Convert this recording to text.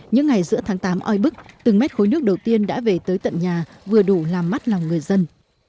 những ngày giữa tháng tám oi bức từng mét khối nước đầu tiên đã về tới tận nhà vừa đủ làm mắt lòng người dân